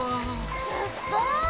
すっごい！